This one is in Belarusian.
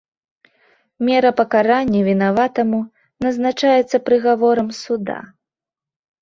Мера пакарання вінаватаму назначаецца прыгаворам суда.